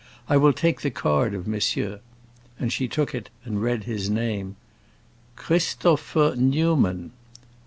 I will take the card of monsieur." And she took it and read his name: "Christopher Newman."